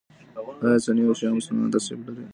ایا سني او شیعه مسلمانان تعصب لري؟